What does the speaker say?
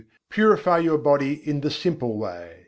purify your body in the simple way.